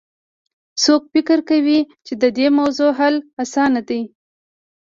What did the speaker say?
څوک فکر کوي چې د دې موضوع حل اسانه ده